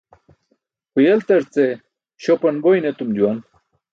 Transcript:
Huyeltarce śopanboyn etum juwan.